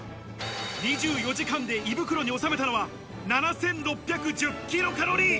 ２４時間で胃袋に収めたのは７６１０キロカロリー。